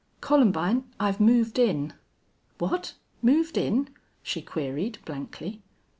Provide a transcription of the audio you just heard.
Columbine, I've moved in!" "What! Moved in?" she queried, blankly.